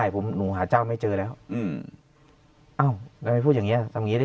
ไม่ได้ผมหนูหาเจ้าไม่เจอแล้วอ้าวไม่พูดอย่างนี้ทำงี้ได้